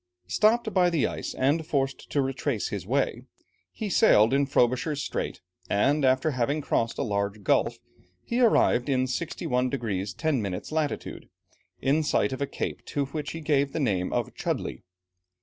Stopped by the ice, and forced to retrace his way, he sailed in Frobisher's Strait, and after having crossed a large gulf, he arrived, in 61 degrees 10 minutes latitude, in sight of a cape to which he gave the name of Chudleigh.